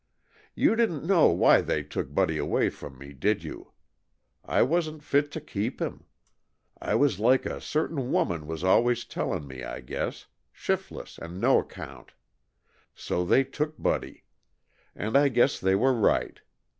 "You didn't know why they took Buddy away from me, did you? I wasn't fit to keep him. I was like a certain woman was always tellin' me, I guess shiftless and no 'count so they took Buddy. And I guess they were right.